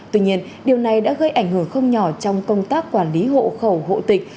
tuy nhiên điều này đã gây ảnh hưởng không nhỏ trong công tác quản lý hộ khẩu hộ tịch